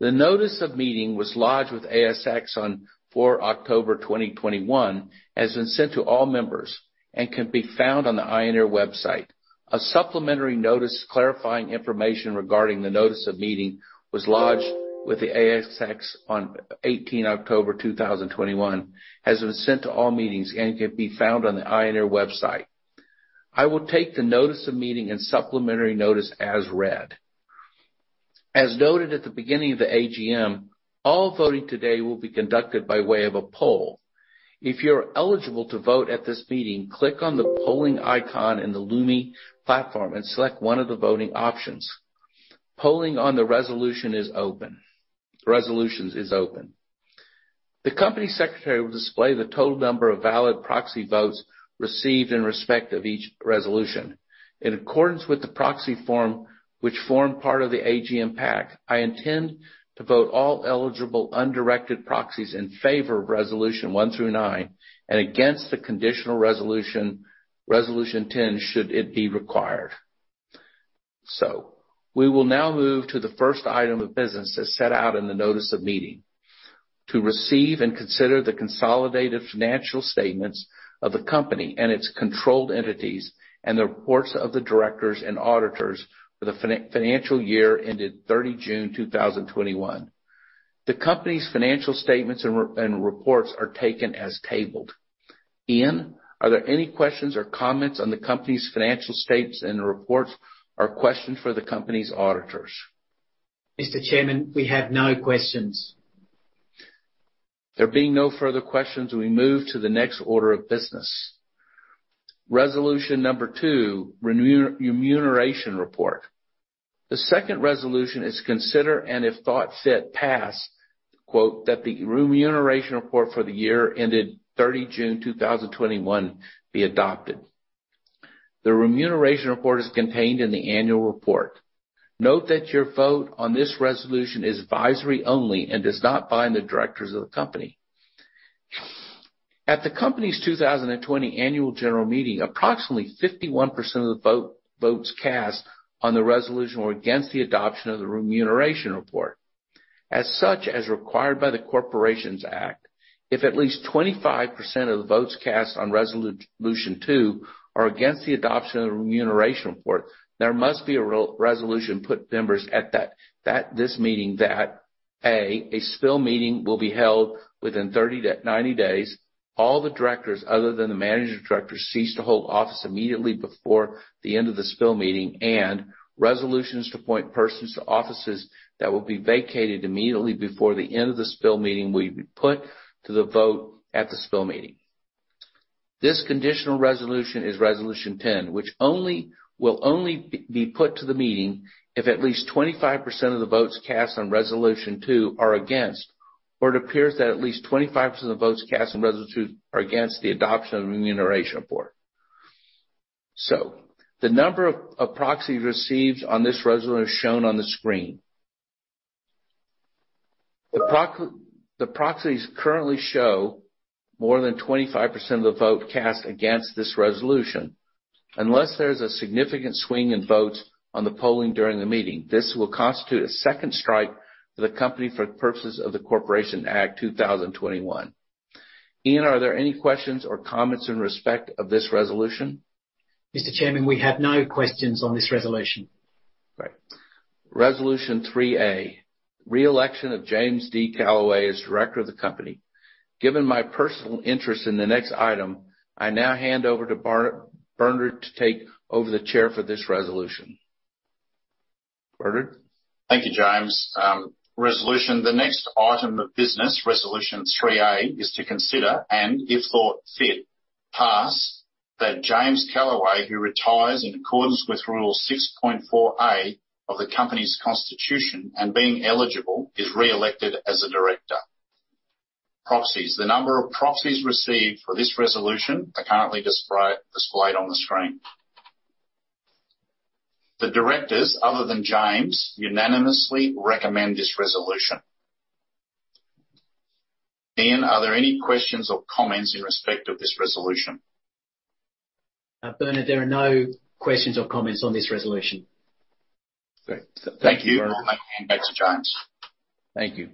The notice of meeting was lodged with ASX on 4 October 2021, has been sent to all members and can be found on the Ioneer website. A supplementary notice clarifying information regarding the notice of meeting was lodged with the ASX on 18 October 2021, has been sent to all members and can be found on the Ioneer website. I will take the notice of meeting and supplementary notice as read. As noted at the beginning of the AGM, all voting today will be conducted by way of a poll. If you're eligible to vote at this meeting, click on the polling icon in the Lumi platform and select one of the voting options. Polling on the resolution is open. The company secretary will display the total number of valid proxy votes received in respect of each resolution. In accordance with the proxy form, which form part of the AGM pack, I intend to vote all eligible undirected proxies in favor of resolution 1 through 9 and against the conditional resolution 10, should it be required. We will now move to the first item of business as set out in the notice of meeting. To receive and consider the consolidated financial statements of the company and its controlled entities and the reports of the directors and auditors for the financial year ended 30 June 2021. The company's financial statements and reports are taken as tabled. Ian, are there any questions or comments on the company's financial statements and reports or questions for the company's auditors? Mr. Chairman, we have no questions. There being no further questions, we move to the next order of business. Resolution number two, Remuneration Report. The second resolution is to consider and if thought fit pass, quote, "That the Remuneration Report for the year ended 30 June 2021 be adopted." The Remuneration Report is contained in the Annual Report. Note that your vote on this resolution is advisory only and does not bind the directors of the company. At the company's 2020 Annual General Meeting, approximately 51% of the votes cast on the resolution were against the adoption of the Remuneration Report. As such, as required by the Corporations Act, if at least 25% of the votes cast on resolution two are against the adoption of the remuneration report, there must be a resolution put to members at that meeting that a spill meeting will be held within 30-90 days. All the directors, other than the managing directors, cease to hold office immediately before the end of the spill meeting and resolutions to appoint persons to offices that will be vacated immediately before the end of the spill meeting will be put to the vote at the spill meeting. This conditional resolution is resolution 10, which will only be put to the meeting if at least 25% of the votes cast on resolution two are against, or it appears that at least 25% of the votes cast on resolution two are against the adoption of the remuneration report. The number of proxies received on this resolution is shown on the screen. The proxies currently show more than 25% of the vote cast against this resolution. Unless there is a significant swing in votes on the polling during the meeting, this will constitute a second strike for the company for the purposes of the Corporations Act 2001. Ian, are there any questions or comments in respect of this resolution? Mr. Chairman, we have no questions on this resolution. Right. Resolution three-A, re-election of James D. Calaway as director of the company. Given my personal interest in the next item, I now hand over to Bernard to take over the chair for this resolution. Bernard? Thank you, James. The next item of business, resolution three-A, is to consider, and if thought fit, pass that James D. Calaway, who retires in accordance with rule 6.4A of the company's constitution and being eligible, is re-elected as a director. Proxies. The number of proxies received for this resolution are currently displayed on the screen. The directors, other than James, unanimously recommend this resolution. Ian, are there any questions or comments in respect of this resolution? Bernard, there are no questions or comments on this resolution. Great. Thank you very much. Thank you. I hand back to James. Thank you.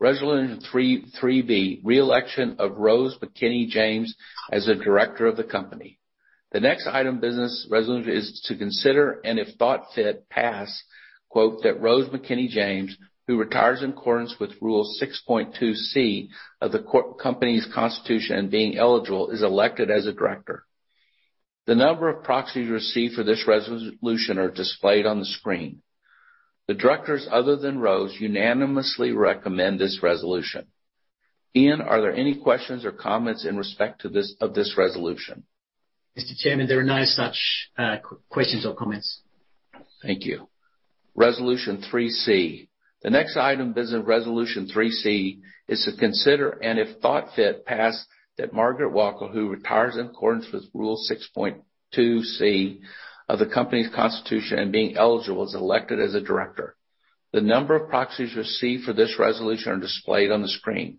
Resolution three-B, reelection of Rose McKinney-James as a director of the company. The next item business resolution is to consider, and if thought fit, pass, quote, "That Rose McKinney-James, who retires in accordance with rule 6.2 C of the company's constitution and being eligible, is elected as a director." The number of proxies received for this resolution are displayed on the screen. The directors, other than Rose, unanimously recommend this resolution. Ian, are there any questions or comments in respect to this, of this resolution? Mr. Chairman, there are no such questions or comments. Thank you. Resolution three-C. The next item of business, resolution three-C, is to consider, and if thought fit, pass, that Margaret Walker, who retires in accordance with Rule 6.2C of the company's constitution and being eligible, is elected as a director. The number of proxies received for this resolution are displayed on the screen.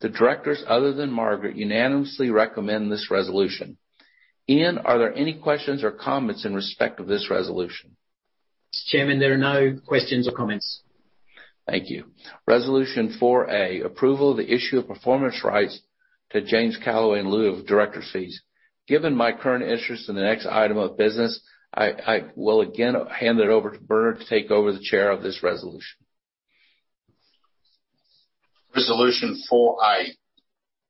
The directors, other than Margaret, unanimously recommend this resolution. Ian, are there any questions or comments in respect of this resolution? Mr. Chairman, there are no questions or comments. Thank you. Resolution four-A, approval of the issue of performance rights to James D. Calaway in lieu of director fees. Given my current interest in the next item of business, I will again hand it over to Bernard to take over the chair of this resolution. Resolution four-A.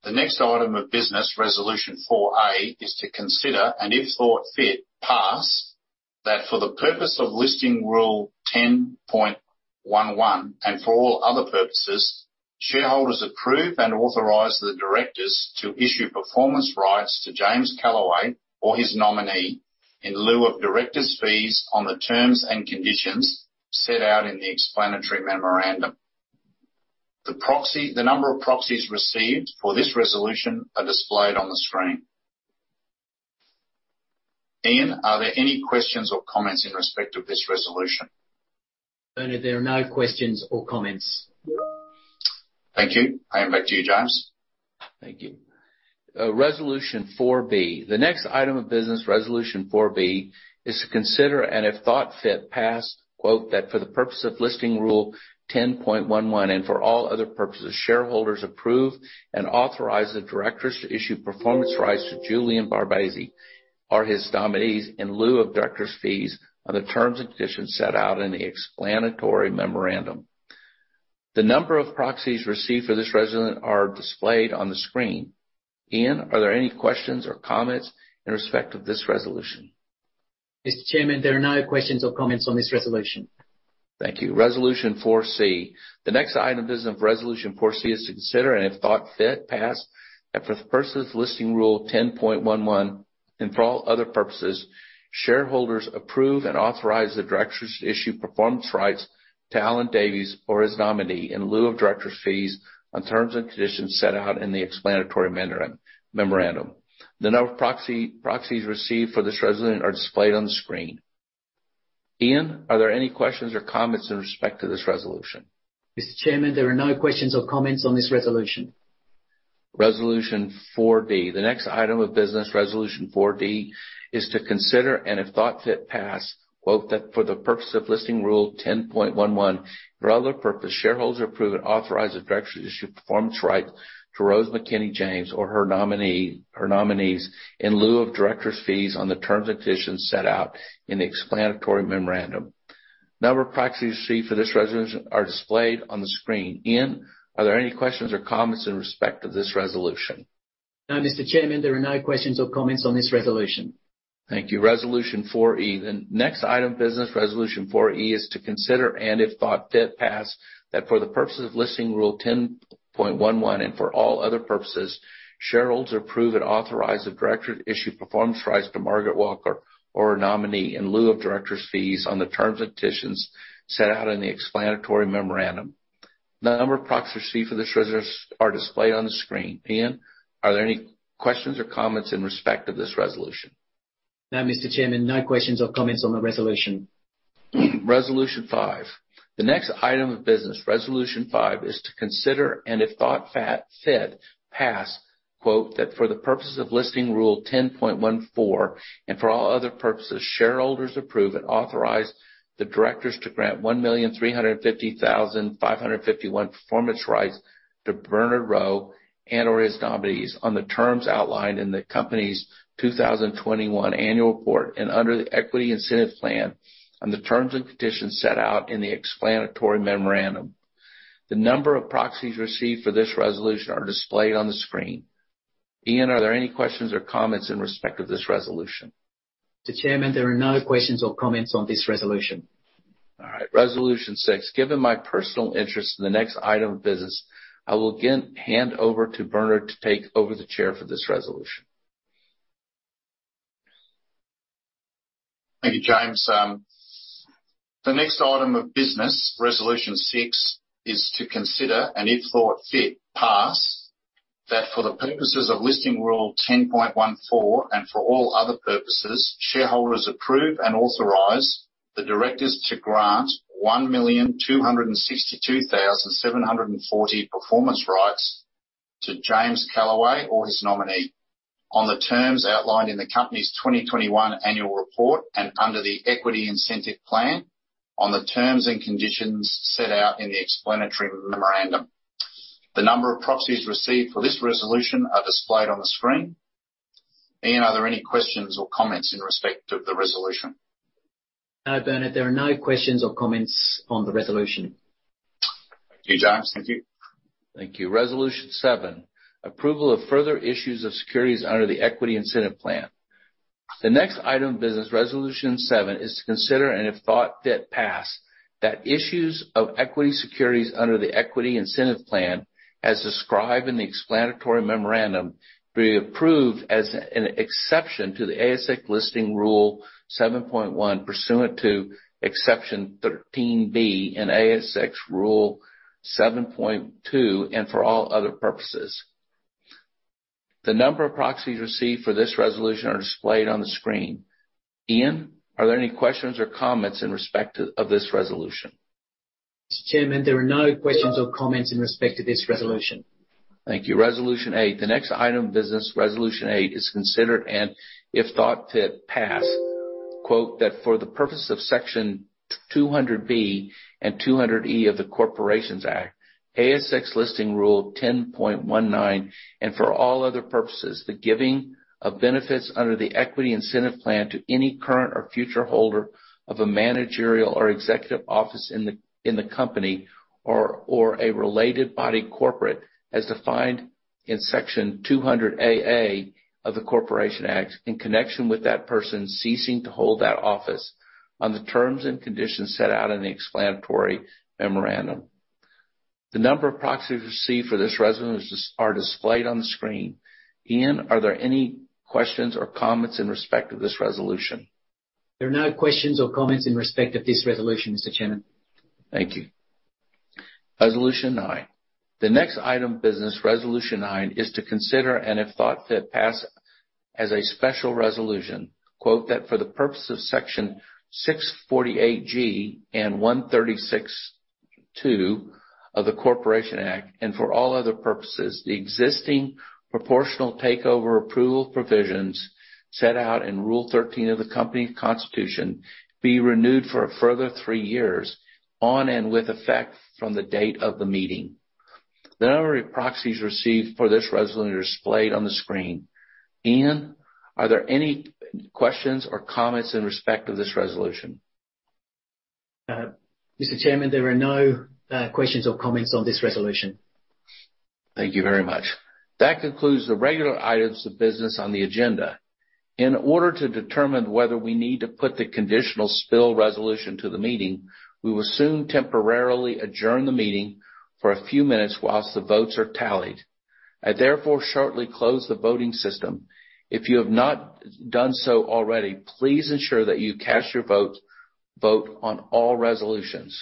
The next item of business, resolution four-A, is to consider, and if thought fit, pass that for the purpose of Listing Rule 10.11 and for all other purposes, shareholders approve and authorize the directors to issue performance rights to James Calaway or his nominee in lieu of directors' fees on the terms and conditions set out in the explanatory memorandum. The proxy, the number of proxies received for this resolution are displayed on the screen. Ian, are there any questions or comments in respect of this resolution? Bernard, there are no questions or comments. Thank you. I hand back to you, James. Thank you. Resolution four-B. The next item of business, resolution four-B, is to consider, and if thought fit, pass, quote, "That for the purpose of Listing Rule 10.11 and for all other purposes, shareholders approve and authorize the directors to issue performance rights to Julian Babarczy or his nominees in lieu of directors' fees on the terms and conditions set out in the explanatory memorandum." The number of proxies received for this resolution are displayed on the screen. Ian, are there any questions or comments in respect of this resolution? Mr. Chairman, there are no questions or comments on this resolution. Thank you. Resolution four-C. The next item of business for resolution four-C is to consider, and if thought fit, pass that for the purpose of this Listing Rule 10.11 and for all other purposes, shareholders approve and authorize the directors to issue performance rights to Alan Davies or his nominee in lieu of directors' fees on terms and conditions set out in the explanatory memorandum. The number of proxies received for this resolution are displayed on the screen. Ian, are there any questions or comments in respect to this resolution? Mr. Chairman, there are no questions or comments on this resolution. Resolution four-D. The next item of business, resolution four-D, is to consider, and if thought fit, pass, quote, "That for the purpose of Listing Rule 10.11 and for other purposes, shareholders approve and authorize the directors to issue performance rights to Rose McKinney-James or her nominee, her nominees in lieu of directors' fees on the terms and conditions set out in the explanatory memorandum." Number of proxies received for this resolution are displayed on the screen. Ian, are there any questions or comments in respect of this resolution? No, Mr. Chairman, there are no questions or comments on this resolution. Thank you. Resolution four-E. The next item of business, resolution four-E, is to consider, and if thought fit, pass, that for the purpose of ASX Listing Rule 10.11 and for all other purposes, shareholders approve and authorize the director to issue performance rights to Margaret Walker or a nominee in lieu of directors' fees on the terms and conditions set out in the explanatory memorandum. The number of proxies received for this resolution are displayed on the screen. Ian, are there any questions or comments in respect of this resolution? No, Mr. Chairman. No questions or comments on the resolution. Resolution five. The next item of business, resolution five, is to consider, and if thought fit, pass, quote, "That for the purposes of Listing Rule 10.14 and for all other purposes, shareholders approve and authorize the directors to grant 1,350,551 performance rights to Bernard Rowe and/or his nominees on the terms outlined in the company's 2021 annual report and under the equity incentive plan on the terms and conditions set out in the explanatory memorandum." The number of proxies received for this resolution are displayed on the screen. Ian, are there any questions or comments in respect of this resolution? Mr. Chairman, there are no questions or comments on this resolution. All right. Resolution six. Given my personal interest in the next item of business, I will again hand over to Bernard to take over the chair for this resolution. Thank you, James. The next item of business, resolution six, is to consider, and if thought fit, pass that for the purposes of Listing Rule 10.14 and for all other purposes, shareholders approve and authorize the directors to grant 1,262,740 performance rights to James Calaway or his nominee on the terms outlined in the company's 2021 annual report and under the equity incentive plan on the terms and conditions set out in the explanatory memorandum. The number of proxies received for this resolution are displayed on the screen. Ian, are there any questions or comments in respect of the resolution? No, Bernard, there are no questions or comments on the resolution. Thank you, James. Thank you. Thank you. Resolution seven, approval of further issues of securities under the equity incentive plan. The next item of business, resolution seven, is to consider, and if thought fit, pass that issues of equity securities under the equity incentive plan as described in the explanatory memorandum be approved as an exception to the ASX Listing Rule 7.1, pursuant to exception 13B in ASX Listing Rule 7.2, and for all other purposes. The number of proxies received for this resolution are displayed on the screen. Ian, are there any questions or comments in respect of this resolution? Mr. Chairman, there are no questions or comments in respect to this resolution. Thank you. Resolution eight. The next item of business, resolution eight, is considered, and if thought fit, pass. "That for the purpose of Section 200B and 200E of the Corporations Act, ASX Listing Rule 10.19, and for all other purposes, the giving of benefits under the equity incentive plan to any current or future holder of a managerial or executive office in the company or a related body corporate, as defined in Section 200AA of the Corporations Act, in connection with that person ceasing to hold that office on the terms and conditions set out in the explanatory memorandum." The number of proxies received for this resolution are displayed on the screen. Ian, are there any questions or comments in respect of this resolution? There are no questions or comments in respect of this resolution, Mr. Chairman. Thank you. Resolution nine. The next item of business resolution nine is to consider, and if thought fit, pass as a special resolution. "That for the purpose of Section 648G and Section 136(2) of the Corporations Act, and for all other purposes, the existing proportional takeover approval provisions set out in Rule 13 of the company constitution be renewed for a further three years on and with effect from the date of the meeting." The number of proxies received for this resolution is displayed on the screen. Ian, are there any questions or comments in respect of this resolution? Mr. Chairman, there are no questions or comments on this resolution. Thank you very much. That concludes the regular items of business on the agenda. In order to determine whether we need to put the conditional spill resolution to the meeting, we will soon temporarily adjourn the meeting for a few minutes while the votes are tallied. I therefore shortly close the voting system. If you have not done so already, please ensure that you cast your vote. Vote on all resolutions.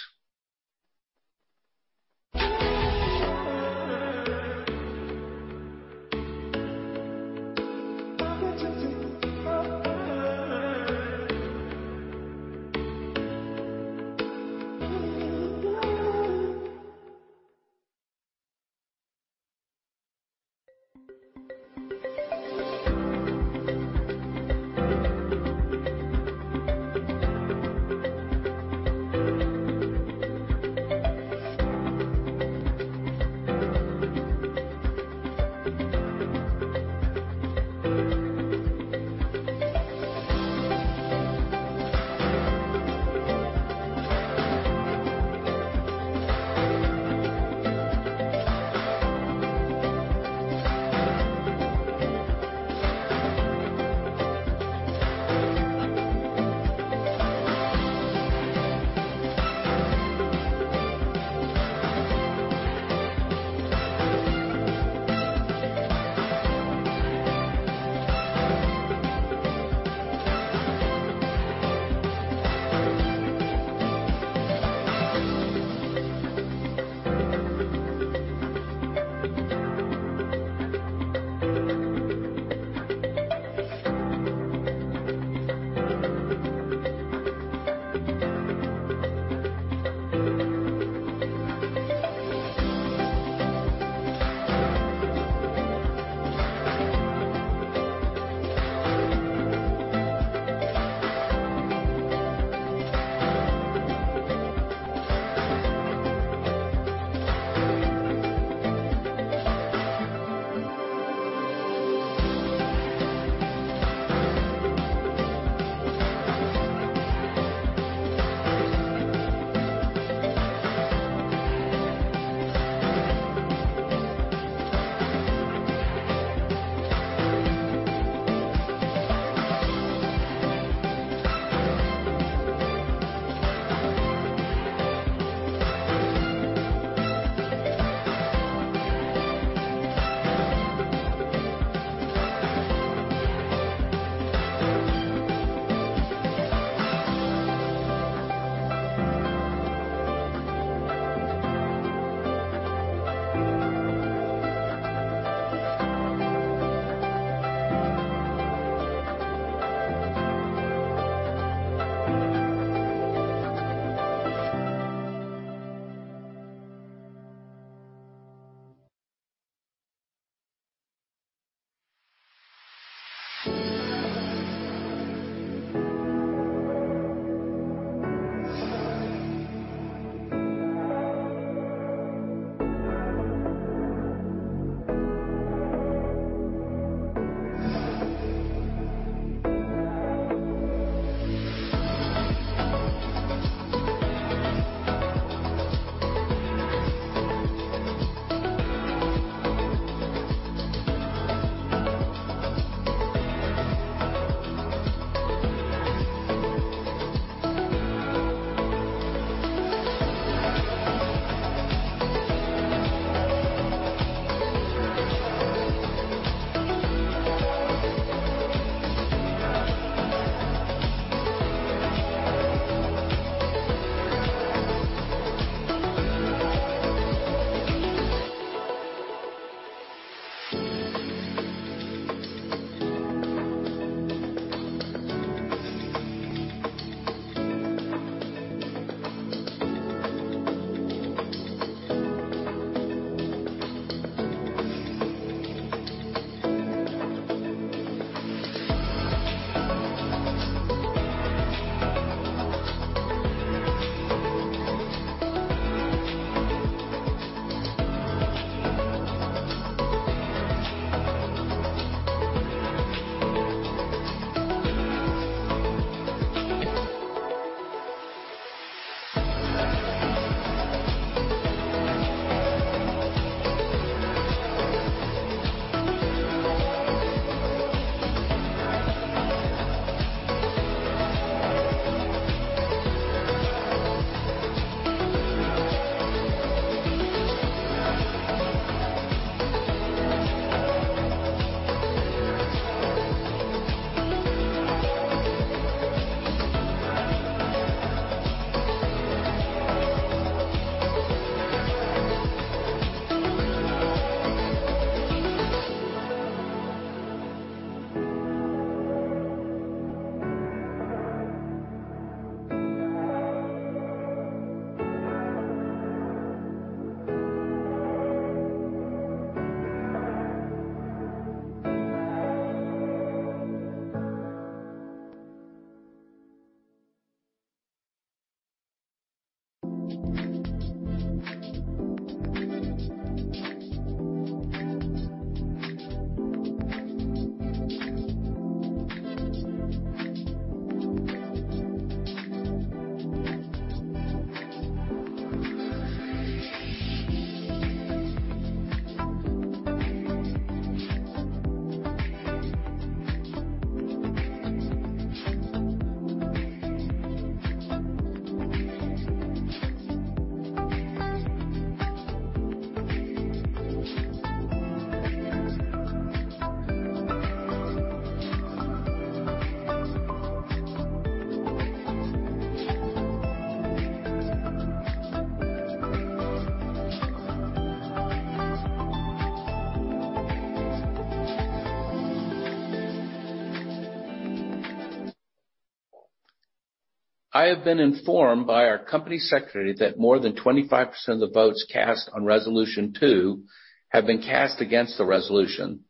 I have been informed by our Company Secretary that more than 25% of the votes cast on resolution two have been cast against the resolution.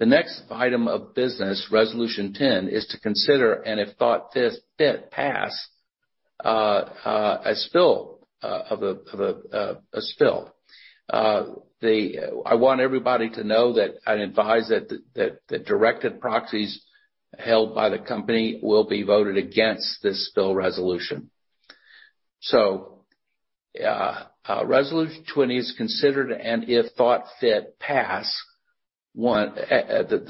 The next item of business, Resolution 10, is to consider, and if thought fit, pass a spill resolution. I want everybody to know that I'd advise that directed proxies held by the company will be voted against this spill resolution. Resolution 20 is considered, and if thought fit, passed. The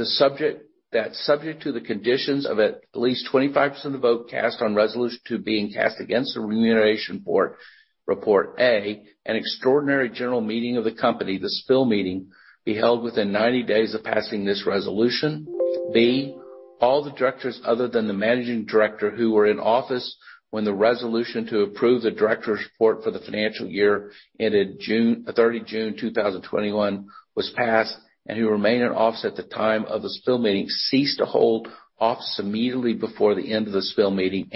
subject to the conditions of at least 25% of the vote cast on resolution two being cast against the remuneration report. A. An extraordinary general meeting of the company, the spill meeting, be held within 90 days of passing this resolution. B. All the directors, other than the Managing Director who were in office when the resolution to approve the directors' report for the financial year ended June 30, 2021, was passed, and who remain in office at the time of the spill meeting, ceased to hold office immediately before the end of the spill meeting.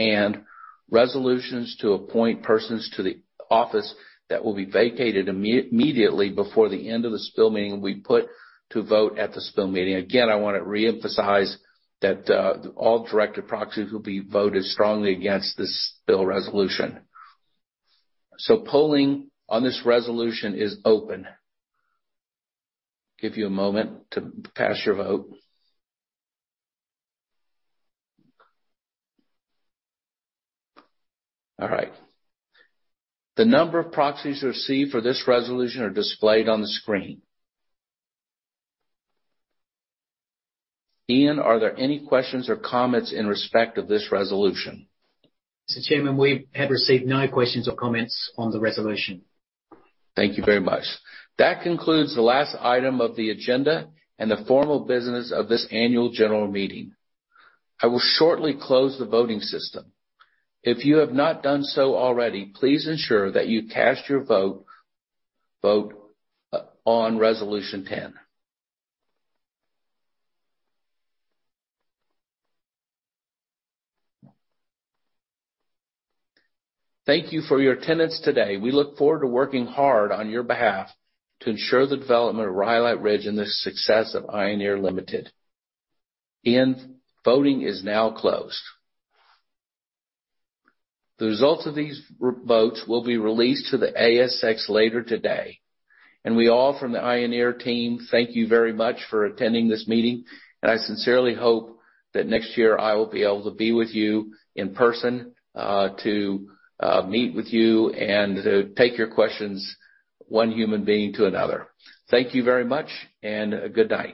Resolutions to appoint persons to the office that will be vacated immediately before the end of the spill meeting will be put to vote at the spill meeting. Again, I wanna reemphasize that all directed proxies will be voted strongly against this spill resolution. Polling on this resolution is open. Give you a moment to cast your vote. All right. The number of proxies received for this resolution are displayed on the screen. Ian, are there any questions or comments in respect of this resolution? Mr. Chairman, we have received no questions or comments on the resolution. Thank you very much. That concludes the last item of the agenda and the formal business of this annual general meeting. I will shortly close the voting system. If you have not done so already, please ensure that you cast your vote on Resolution 10. Thank you for your attendance today. We look forward to working hard on your behalf to ensure the development of Rhyolite Ridge and the success of Ioneer Ltd. Ian, voting is now closed. The results of these votes will be released to the ASX later today. We all from the Ioneer team thank you very much for attending this meeting, and I sincerely hope that next year I will be able to be with you in person to meet with you and to take your questions one human being to another. Thank you very much and a good night.